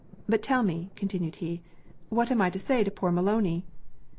But tell me,' continued he, 'what I am to say to poor Maloney?'